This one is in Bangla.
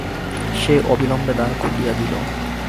সে অবিলম্বে দ্বার খুলিয়া দিল।